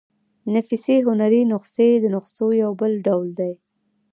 نفیسي هنري نسخې د نسخو يو بل ډول دﺉ.